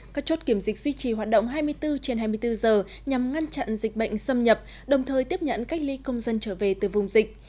các chốt kiểm dịch duy trì hoạt động hai mươi bốn trên hai mươi bốn giờ nhằm ngăn chặn dịch bệnh xâm nhập đồng thời tiếp nhận cách ly công dân trở về từ vùng dịch